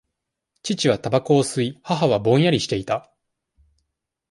父はたばこを吸い、母はぼんやりしていた。